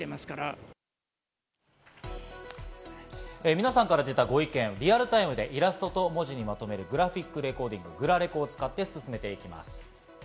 皆さんから出たご意見、リアルタイムでイラストと文字にまとめるグラフィックレコーディング、グラレコを使って進めていきます。